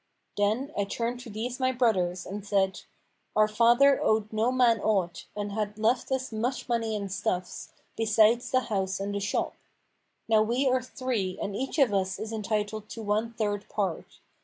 Then I turned to these my brothers and said, 'Our father owed no man aught and hath left us much money and stuffs, besides the house and the shop. Now we are three and each of us is entitled to one third part.